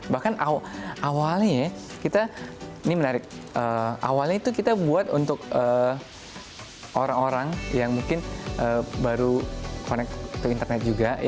bahkan awalnya ya kita ini menarik awalnya itu kita buat untuk orang orang yang mungkin baru connect ke internet juga